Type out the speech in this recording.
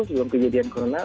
sebelum kejadian corona